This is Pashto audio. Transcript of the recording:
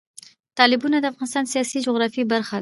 تالابونه د افغانستان د سیاسي جغرافیه برخه ده.